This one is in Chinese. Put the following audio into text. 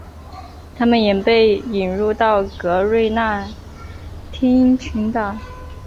它们也被引入到格瑞纳丁群岛。